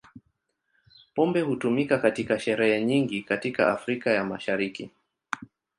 Pombe hutumika katika sherehe nyingi katika Afrika ya Mashariki.